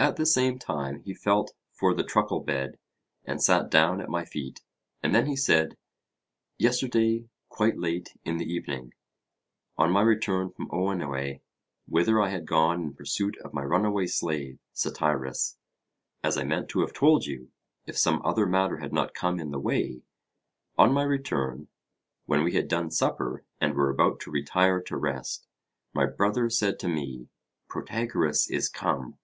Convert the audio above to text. At the same time he felt for the truckle bed, and sat down at my feet, and then he said: Yesterday quite late in the evening, on my return from Oenoe whither I had gone in pursuit of my runaway slave Satyrus, as I meant to have told you, if some other matter had not come in the way; on my return, when we had done supper and were about to retire to rest, my brother said to me: Protagoras is come.